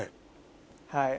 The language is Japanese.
はい。